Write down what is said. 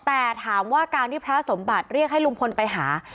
แต่ถามว่าการที่พระสมบัติเรียกให้ลุงพลไปหา